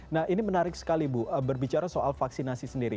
nah ini menarik sekali bu berbicara soal vaksinasi sendiri